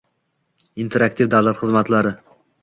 Interaktiv davlat xizmatlari: